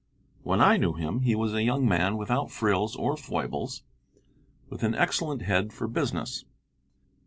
When I knew him he was a young man without frills or foibles, with an excellent head for business.